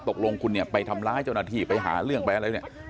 ตกลงคุณไปทำล้ายเจ้าหน้าที่ไปหาเรื่องไปอะไรอย่างนี้